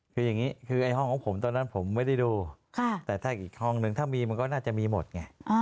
คืออย่างนี้คือไอ้ห้องของผมตอนนั้นผมไม่ได้ดูแต่ถ้าอีกห้องนึงถ้ามีมันก็น่าจะมีหมดไง